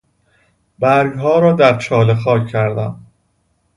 برگها را در چاله خاک کردم.